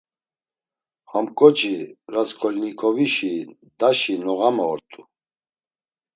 Ham ǩoçi, Rasǩolnikovişi daşi noğame ort̆u.